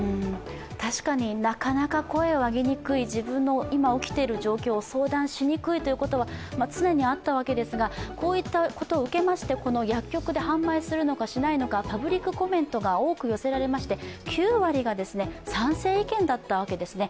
確かになかなか声を上げにくい、自分の今起きている状況を相談しにくいということは常にあったわけですがこういったことを受けまして、薬局で販売するのかしないのかパブリックコメントが多く寄せられまして、９割が賛成意見だったんですね。